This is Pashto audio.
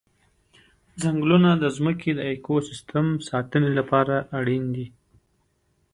ځنګلونه د ځمکې د اکوسیستم ساتنې لپاره اړین دي.